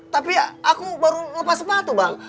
tapi ya aku baru lepas sepatu bang